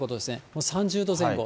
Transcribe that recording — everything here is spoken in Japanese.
もう３０度前後。